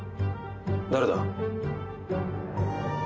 誰だ？